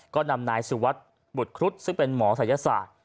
ก็นำนายสุวัสดิ์บุตรครุฑซึ่งเป็นหมอศัยศาสตร์